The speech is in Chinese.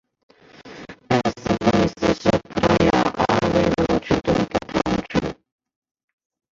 埃斯莫里斯是葡萄牙阿威罗区的一个堂区。